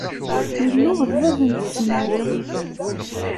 Illu, d bab n tezmart.